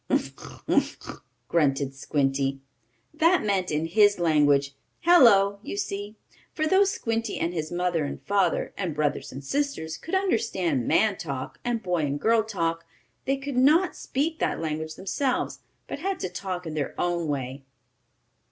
"Wuff! Wuff!" grunted Squinty. That meant, in his language, "Hello!" you see. For though Squinty, and his mother and father, and brothers and sisters, could understand man talk, and boy and girl talk, they could not speak that language themselves, but had to talk in their own way.